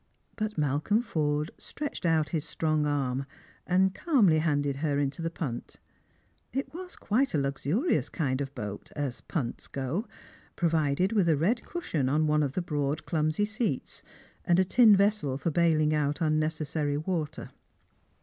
But Malcolm Forde stretched out his strong arm and calmly handed her into the punt. It was quite a luxurious kind of boat, as j)unt3 go, provided with a red cushion on one of the broad clumsy seats, and a tin vessel for bailing out unnecessary water.